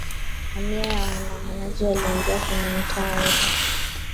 Mamia ya waandamanaji waliingia kwenye mitaa yote